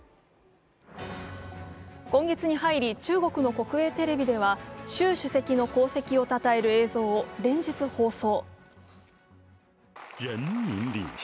今月に入り、中国の国営テレビでは習主席の功績をたたえる映像を連日放送。